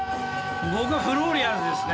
僕はフローリアーズですね。